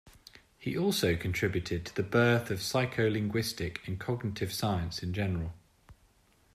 He also contributed to the birth of psycholinguistics and cognitive science in general.